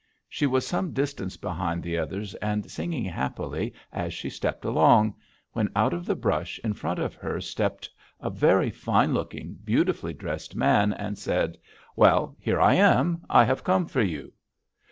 She was some distance behind the others and singing happily as she stepped along, when out from the brush in front of her stepped a very fine looking, beautifully dressed man, and said: 'Well, here I am. I have come for you.'